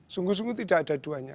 sungguh sungguh tidak ada duanya